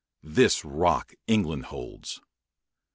This rock England holds.